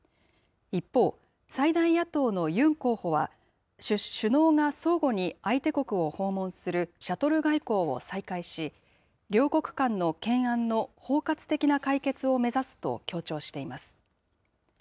一方、最大野党のユン候補は、首脳が相互に相手国を訪問するシャトル外交を再開し、両国間の懸案の包括的な解決を目指すと強調しています。